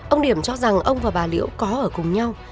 ông điểm cho rằng ông và bà liễu có ở cùng nhau